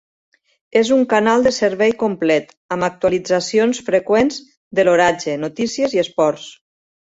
És un canal de servei complet, amb actualitzacions freqüents de l'oratge, notícies i esports.